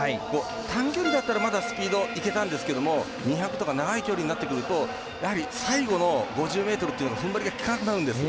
短距離だったらまだスピードいけたんですけども２００とか長い距離になってくるとやはり最後の５０ｍというのは踏ん張りが利かなくなるんです。